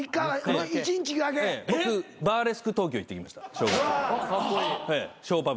僕バーレスク東京行ってきましたショーパブ。